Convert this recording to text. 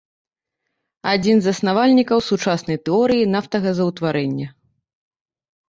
Адзін з заснавальнікаў сучаснай тэорыі нафтагазаўтварэння.